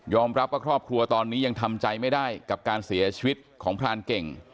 รับว่าครอบครัวตอนนี้ยังทำใจไม่ได้กับการเสียชีวิตของพรานเก่ง